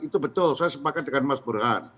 itu betul saya sepakat dengan mas burhan